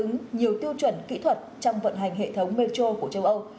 điều này đã phát ứng nhiều tiêu chuẩn kỹ thuật trong vận hành hệ thống metro của châu âu